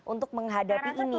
untuk menghadapi ini